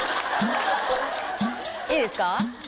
いいですか？